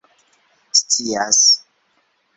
scias